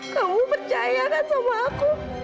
kamu percaya gak sama aku